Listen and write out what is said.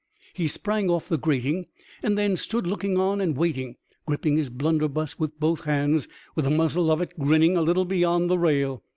*' He sprang off the grating and then stood looking on and waiting, gripping his blunderbuss with both hands, with the muzzle of it grinning a little beyond the rail.